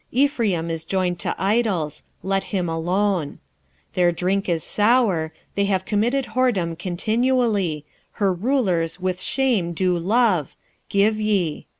4:17 Ephraim is joined to idols: let him alone. 4:18 Their drink is sour: they have committed whoredom continually: her rulers with shame do love, Give ye.